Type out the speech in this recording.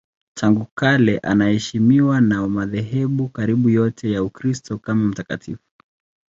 Tangu kale anaheshimiwa na madhehebu karibu yote ya Ukristo kama mtakatifu.